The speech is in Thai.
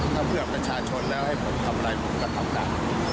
ถ้าเพื่อประชาชนแล้วให้ผมทำอะไรผมก็ทำตาม